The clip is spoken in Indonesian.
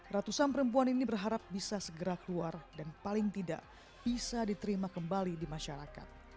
ratusan perempuan ini berharap bisa segera keluar dan paling tidak bisa diterima kembali di masyarakat